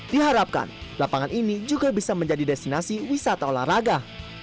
diharapkan lapangan ini juga bisa menjadi destinasi wisata olahraga